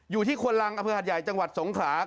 อยู่ที่กวนลังอปฮใหญ่จังหวัดศกราค